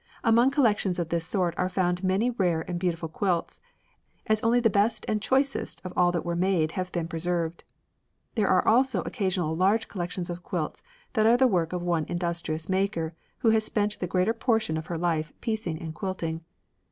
Among collections of this sort are found many rare and beautiful quilts, as only the best and choicest of all that were made have been preserved. There are also occasional large collections of quilts that are the work of one industrious maker who has spent the greater portion of her life piecing and quilting.